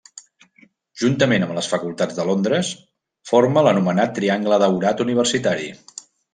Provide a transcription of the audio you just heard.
Juntament amb les facultats de Londres, forma l'anomenat triangle daurat universitari.